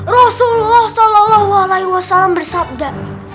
rasulullah sallallahu alaihi wasallam bersabda